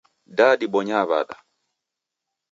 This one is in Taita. Da dibonyaa wada?